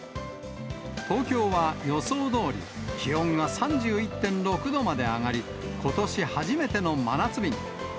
東京は予想どおり、気温が３１．６度まで上がり、ことし初めての真夏日に。